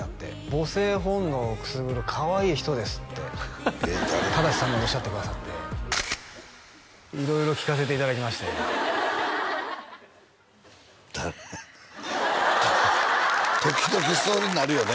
母性本能をくすぐるかわいい人ですって忠さんがおっしゃってくださって色々聞かせていただきまして誰やの時々そういうふうになるよね